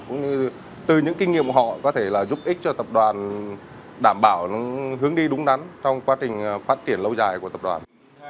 cũng như từ những kinh nghiệm của họ có thể là giúp ích cho tập đoàn đảm bảo hướng đi đúng đắn trong quá trình phát triển lâu dài